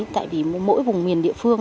tại vì mỗi vùng miền địa phương